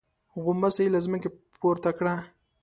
غومبسه يې له ځمکې پورته کړه.